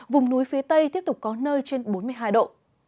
vùng núi phía tây tiếp tục có nơi trên bốn mươi hai độ